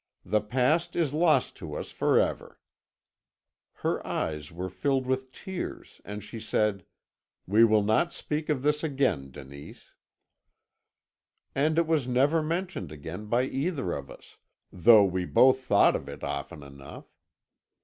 The past is lost to us forever.' Her eyes filled with tears, and she said, 'We will not speak of this again, Denise.' "And it was never mentioned again by either of us, though we both thought of it often enough.